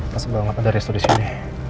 masa belakang ada restor disini